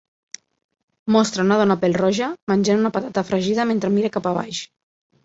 Mostra una dona pèl-roja menjant una patata fregida mentre mira cap a baix.